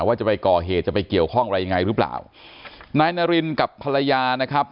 ว่าจะไปก่อเหตุจะไปเกี่ยวข้องอะไรยังไงหรือเปล่านายนารินกับภรรยานะครับ